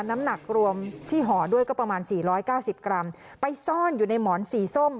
น้ำหนักรวมที่ห่อด้วยก็ประมาณสี่ร้อยเก้าสิบกรัมไปซ่อนอยู่ในหมอนสีส้ม